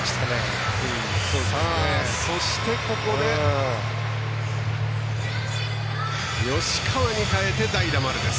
ここで吉川に代えて代打、丸です。